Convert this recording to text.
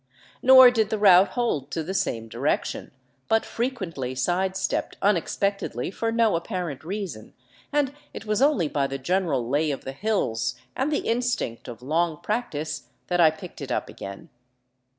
Nor did the route hold to the same direction, but frequently sidestepped unexpectedly for no apparent reason, and it was only by the general lay of the hills and the instinct of long practice that I picked it up again.